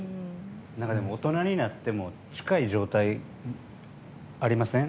大人になっても近い状態、ありません？